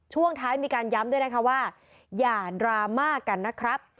ช่วงท้ายมีการย้ำด้วยนะคะว่าอย่าดราม่ากันนะครับ